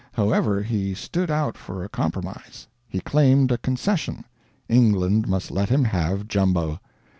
However, he stood out for a compromise; he claimed a concession England must let him have Jumbo.